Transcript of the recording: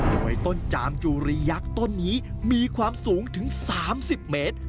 โดยต้นจามจุรียักษ์ต้นนี้มีความสูงถึง๓๐เมตร